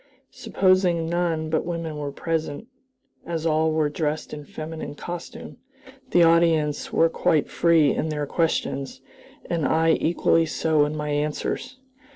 Supposing none but women were present, as all were dressed in feminine costume, the audience were quite free in their questions, and I equally so in my answers.